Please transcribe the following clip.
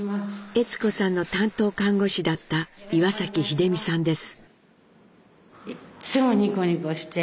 悦子さんの担当看護師だった岩崎英美さんです。